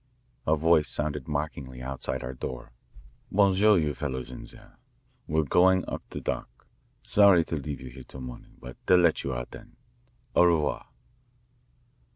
A Voice sounded mockingly outside our door. "Bon soir, you fellows in there. We're going up the dock. Sorry to leave you here till morning, but they'll let you out then. Au revoir."